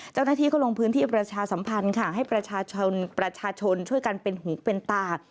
เจ้าหน้าที่ก็ลงพื้นที่ประชาสัมพันธ์ค่ะให้ประชาชนประชาชนช่วยกันเป็นหูเป็นตา